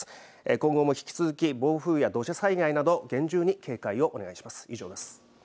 今後も引き続き暴風や土砂災害など、厳重に警戒をお願いします。